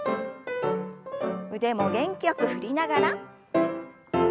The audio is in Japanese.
腕も元気よく振りながら。